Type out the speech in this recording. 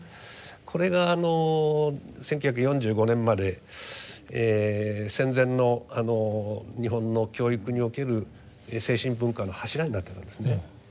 これが１９４５年まで戦前の日本の教育における精神文化の柱になっていたんですね。